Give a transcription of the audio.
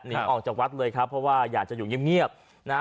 หนีออกจากวัดเลยครับเพราะว่าอยากจะอยู่เงียบนะฮะ